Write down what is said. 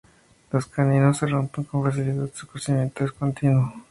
Los caninos se rompen con facilidad pero su crecimiento es continuo.